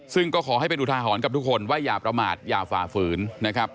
ซึ่งก็ขอให้เป็นอุทาหรณ์กับทุกคนว่าอย่าประมาทอย่าฝ่าฝืนนะครับ